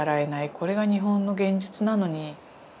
これが日本の現実なのに。